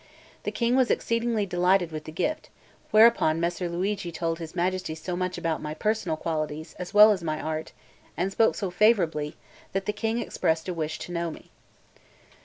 The King was exceedingly delighted with the gift; whereupon Messer Luigi told his Majesty so much about my personal qualities, as well as my art, and spoke so favourably, that the King expressed a wish to know me.